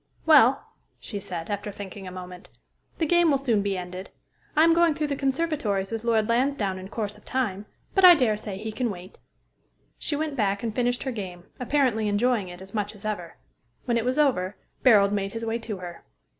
"Well," she said, after thinking a moment, "the game will soon be ended. I am going through the conservatories with Lord Lansdowne in course of time; but I dare say he can wait." She went back, and finished her game, apparently enjoying it as much as ever. When it was over, Barold made his way to her.